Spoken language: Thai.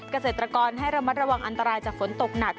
เกษตรกรให้ระมัดระวังอันตรายจากฝนตกหนัก